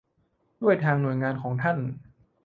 ด้วยทางหน่วยงานของท่าน